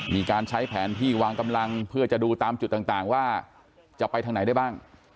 มีการใช้แผนที่วางกำลังเพื่อจะดูตามจุดต่างว่าจะไปทางไหนได้บ้าง